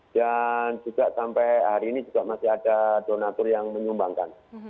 juga sampai hari ini juga masih ada donatur yang menyumbangkan